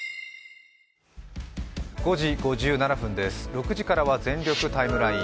６時からは「全力タイムライン」。